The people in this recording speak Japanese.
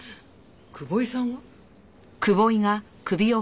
久保井さんは？